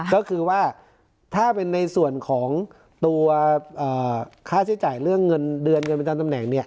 ก็คือว่าถ้าเป็นในส่วนของตัวค่าใช้จ่ายเรื่องเงินเดือนเงินประจำตำแหน่ง